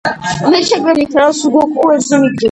სომალელები ძირითადად შედგება ისას ქვეჯგუფის ხალხისაგან.